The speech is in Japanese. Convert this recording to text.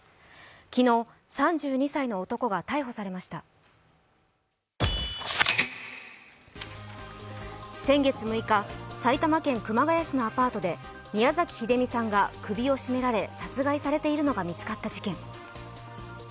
昨日、３２歳の男が逮捕されました先月６日、埼玉県熊谷市のアパートで宮崎英美さんが首を絞められ殺害されているのが見つかった事件。